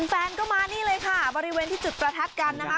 แฟนก็มานี่เลยค่ะบริเวณที่จุดประทัดกันนะคะ